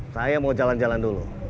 saya mau jalan jalan dulu